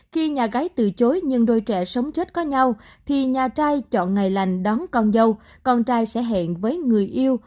khi nhà gái từ chối nhưng đôi trẻ sống chết có nhau thì nhà trai chọn ngày lành đón con dâu con trai sẽ hẹn với người yêu